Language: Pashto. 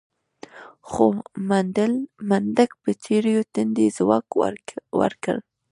خو منډک په تريو تندي ځواب ورکړ.